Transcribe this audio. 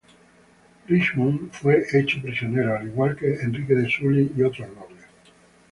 Richmond fue hecho prisionero, al igual que Enrique de Sully, y otros nobles.